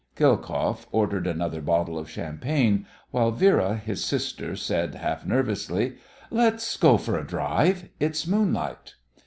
Khilkoff ordered another bottle of champagne, while Vera, his sister, said half nervously, "Let's go for a drive; it's moonlight."